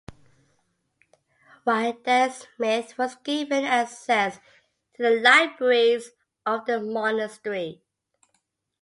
While there, Smith was given access to the libraries of the monastery.